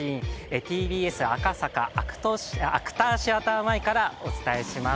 ＴＢＳ赤坂ＡＣＴシアター前からお伝えします。